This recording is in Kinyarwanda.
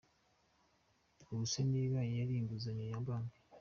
Ubu se niba yari inguzanyo ya Banki ?.